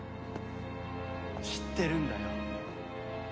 知ってるんだよ。